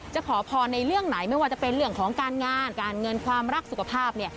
ขอพรในเรื่องไหนไม่ว่าจะเป็นเรื่องของการงานการเงินความรักสุขภาพเนี่ย